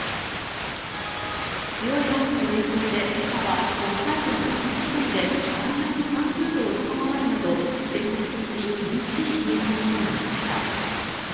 強い寒気の影響で今朝は北海道の３地点でマイナス３０度を下回るなど全国的に厳しい冷え込みとなりました。